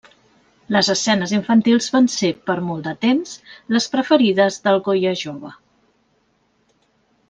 Les escenes infantils van ser, per molt de temps, les preferides del Goya jove.